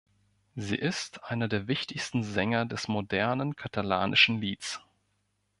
Sie ist einer der wichtigsten Sänger des modernen katalanischen Lieds.